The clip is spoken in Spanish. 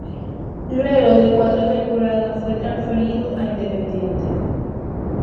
Luego de cuatro temporadas fue transferido a Independiente.